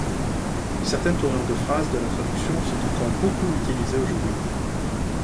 Certaines tournures de phrases de la traduction sont encore beaucoup utilisées aujourd'hui.